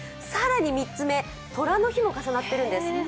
更に３つ目、寅の日も重なっているんです。